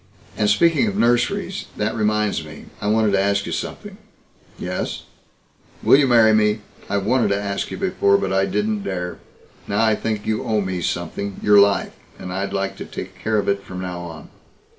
"And speaking of nurseries that reminds me. I wanted to ask you something." "Yes?" "Will you marry me? I've wanted to ask you before, but I didn't dare. Now I think you owe me something your life. And I'd like to take care of it from now on."